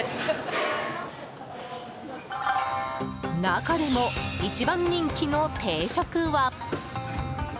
中でも一番人気の定食は。